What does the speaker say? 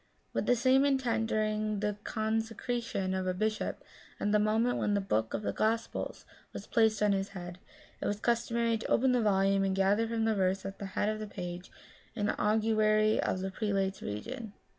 With the same intent during the consecration of a bishop, at the moment when the book of the Gospels was placed on his head, it was customary to open the volume and gather from the verse at the head of the page an augury of the prelate's reign.